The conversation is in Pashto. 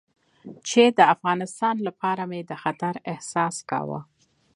چې د افغانستان لپاره مې د خطر احساس کاوه.